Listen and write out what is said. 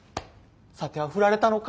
さてはフラれたのか？